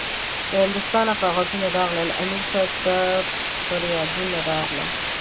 له هندوستانه کاغذونه راغله- امیر صاحب ته پریادونه راغله